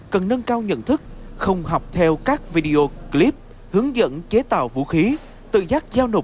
cần nâng cao nhận thức không học theo các video clip hướng dẫn chế tạo vũ khí tự giác giao nổ